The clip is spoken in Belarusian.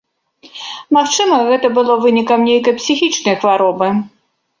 Магчыма, гэта было вынікам нейкай псіхічнай хваробы.